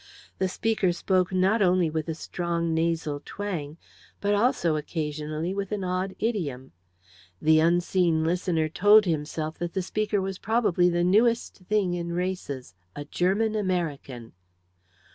The speaker spoke not only with a strong nasal twang, but also, occasionally, with an odd idiom. The unseen listener told himself that the speaker was probably the newest thing in races "a German American."